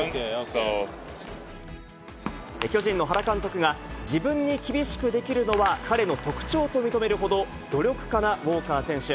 巨人の原監督が、自分に厳しくできるのは彼の特長と認めるほど、努力家なウォーカー選手。